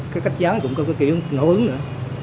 cái cách dán cũng có kiểu nổ ứng nữa